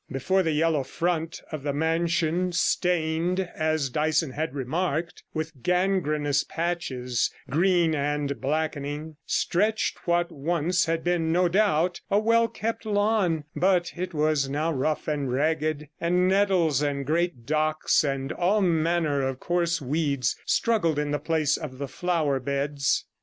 Before the yellow front of the mansion, stained, as Dyson had remarked, with gangrenous patches, green and blackening, stretched what once had been, no doubt, a well kept lawn, but it was now rough and ragged, and nettles and great docks, and all manner of coarse weeds, struggled in the places of the flower beds.